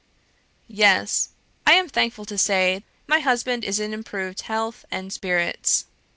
"Yes! I am thankful to say my husband is in improved health and spirits.